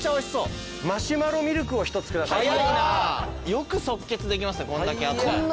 よく即決できますねこんだけあって。